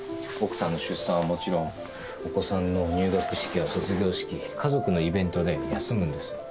「奥さんの出産はもちろんお子さんの入学式や卒業式家族のイベントで休むんです」